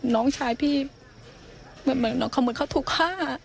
น้องชายพี่เหมือนเหมือนเขาหมดเขาถูกฆ่า